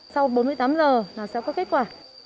sau bốn mươi tám giờ là sẽ có kết quả